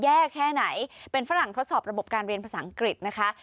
แค่ไหนเป็นฝรั่งทดสอบระบบการเรียนภาษาอังกฤษนะคะ